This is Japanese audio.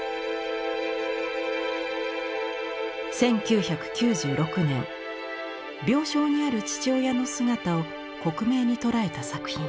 １９９６年病床にある父親の姿を克明に捉えた作品。